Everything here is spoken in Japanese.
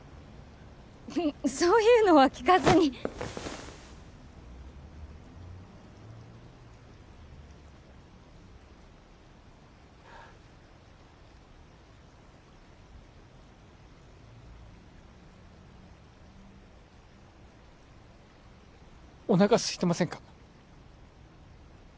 そういうのは聞かずにおなかすいてませんか？